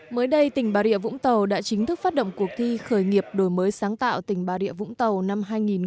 mới đây tỉnh bà rịa vũng tàu đã chính thức phát động cuộc thi khởi nghiệp đổi mới sáng tạo tỉnh bà rịa vũng tàu năm hai nghìn hai mươi